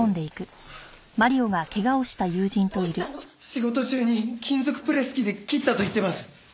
仕事中に金属プレス機で切ったと言ってます。